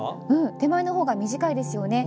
手前の方が短いですよね。